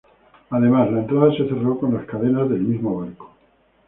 Además, la entrada se cerró con las cadenas del mismo barco.